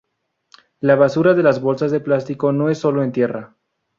La basura de las bolsas de plástico no es solo en tierra.